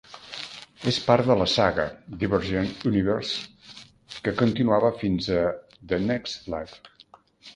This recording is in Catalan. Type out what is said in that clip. És part de la saga "Divergent Universe" que continuava fins a "The Next Life".